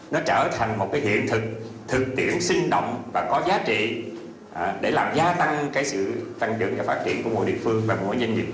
nó trở thành một cái hiện thực thực tiễn sinh động và có giá trị để làm gia tăng cái sự tăng dưỡng và phát triển của mỗi địa phương và mỗi doanh nghiệp